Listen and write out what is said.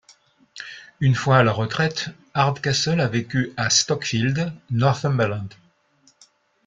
Une fois à la retraite, Hardcastle a vécu à Stocksfield, Northumberland.